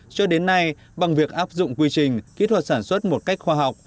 cho đến nay bằng việc áp dụng quy trình kỹ thuật sản xuất một cách khoa học